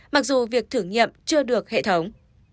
mặc dù việc thử nghiệm chưa được hệ thống